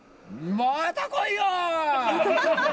また来いよ。